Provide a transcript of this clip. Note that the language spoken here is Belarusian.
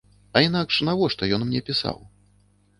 А інакш навошта ён мне пісаў?